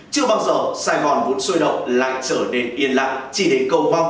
chưa bao giờ sài gòn vốn sôi động lại trở nên yên lặng chỉ đến câu vong